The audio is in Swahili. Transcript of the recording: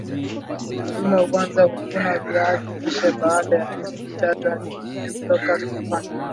mkulima huanza kuvuna viazi lishe baada ya miezi mitatu hadi minne toka vimepandwa